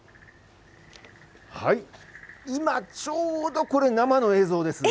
今ちょうどこれ、生の映像です。